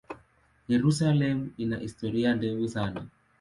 Yerusalemu ina historia ndefu sana.